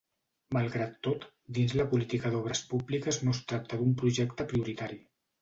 Malgrat tot, dins la política d'obres públiques no es tracta d'un projecte prioritari.